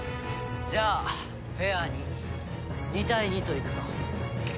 じゃあフェアに２対２といくか。